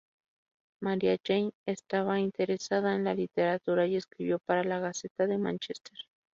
Maria Jane estaba interesada en la literatura y escribió para la "Gaceta de Manchester".